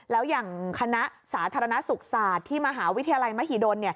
แล้วอย่างคณะสาธารณสุขศาสตร์ที่มหาวิทยาลัยมหิดล